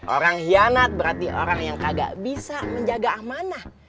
orang hianat berarti orang yang kagak bisa menjaga amanah